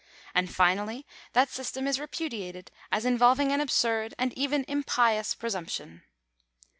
And, finally, that system is repudiated, as involving an absurd and even impious presumption.